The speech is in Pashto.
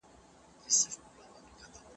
د نېستۍ کندي ته تللي